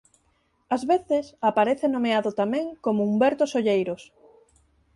Ás veces aparece nomeado tamén como Humberto Solleiros.